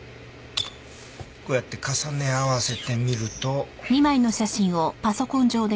こうやって重ね合わせてみると。